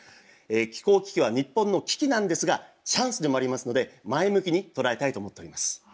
気候危機は日本の危機なんですがチャンスでもありますので前向きに捉えたいと思っております。